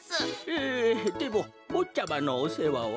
ええでもぼっちゃまのおせわは？